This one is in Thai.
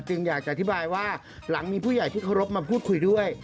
อยากจะอธิบายว่าหลังมีผู้ใหญ่ที่เคารพมาพูดคุยด้วย